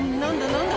何だ？